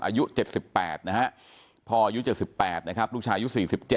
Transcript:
อายุ๗๘พออายุ๙๘ลูกชายอายุ๔๗